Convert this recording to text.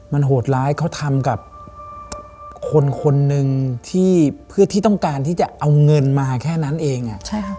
มันโหดร้ายเขาทำกับคนคนหนึ่งที่เพื่อที่ต้องการที่จะเอาเงินมาแค่นั้นเอง